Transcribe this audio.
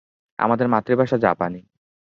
আমাদের মাতৃভাষা জাপানী।